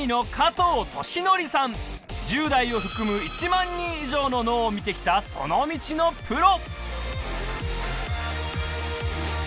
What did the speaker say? １０代をふくむ１万人以上の脳をみてきたその道のプロ！